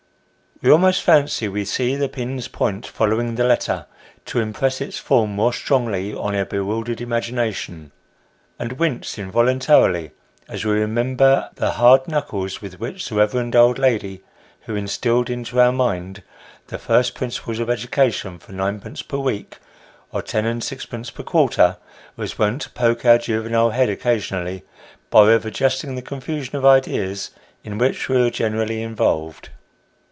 We almost fancy we see the pin's point following the letter, to impress its form more strongly on our bewildered imagination ; and wince involuntarily, as we remember the hard knuckles with which the reverend old lady who instilled into our mind the first principles of education for ninepence per week, or ten and sixpence per quarter, was wont to poke our juvenile head occasionally, by way of adjusting the confusion of ideas in which we were generally involved.